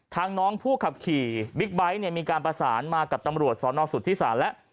ทางน้องผู้ขับขี่บิ๊กไบท์มีการประสานมากับตำรวจสอนออสุทธิษฐานแล้ว